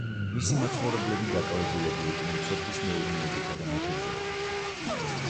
მისი მაცხოვრებლები დაკავებულები იყვნენ სოფლის მეურნეობითა და მეთევზეობით.